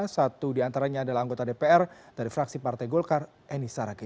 satu diantaranya adalah anggota dpr dari fraksi partai golkar eni saragi